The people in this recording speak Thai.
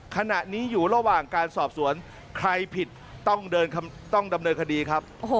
ขณะนี้อยู่ระหว่างการสอบสวนใครผิดต้องดำเนินคดีครับ